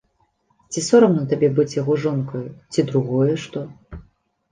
Ці сорамна табе быць яго жонкаю, ці другое што?